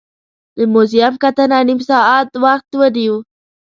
د موزیم کتنه نیم ساعت وخت ونیو.